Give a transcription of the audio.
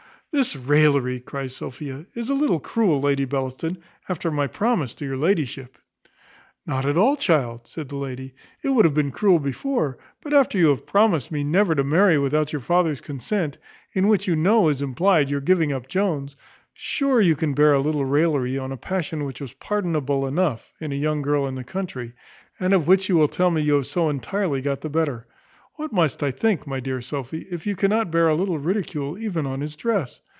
"This raillery," cries Sophia, "is a little cruel, Lady Bellaston, after my promise to your ladyship." "Not at all, child," said the lady; "It would have been cruel before; but after you have promised me never to marry without your father's consent, in which you know is implied your giving up Jones, sure you can bear a little raillery on a passion which was pardonable enough in a young girl in the country, and of which you tell me you have so entirely got the better. What must I think, my dear Sophy, if you cannot bear a little ridicule even on his dress?